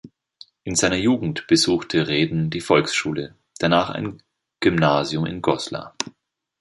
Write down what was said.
In seiner Jugend besuchte Rheden die Volksschule, danach ein Gymnasium in Goslar.